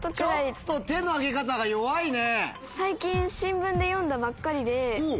ちょっと手の挙げ方が弱いね。